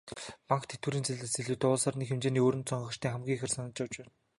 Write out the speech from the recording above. Банк, тэтгэврийн зээлээс илүүтэй улс орны хэмжээний өрөнд сонгогчид хамгийн ихээр санаа зовж байна.